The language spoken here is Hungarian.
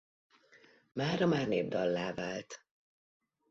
Mára már népdallá vált.